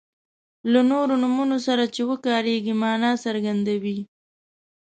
له نورو نومونو سره چې وکاریږي معنا څرګندوي.